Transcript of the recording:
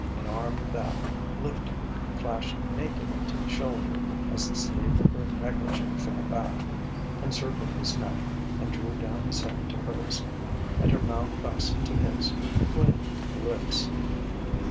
An arm that, lifting, flashed naked to the shoulder as the sleeve of her negligee fell back, encircled his neck and drew down his head to hers. And her mouth fastened to his with clinging lips....